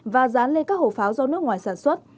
và dán lên các hồ pháo do nước ngoài sản xuất